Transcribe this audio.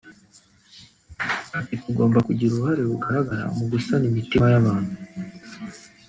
Ati “Tugomba kugira uruhare rugaragara mu gusana imitima y’abantu